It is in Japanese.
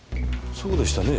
そうでしたね。